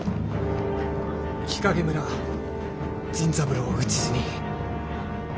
日影村甚三郎討ち死に。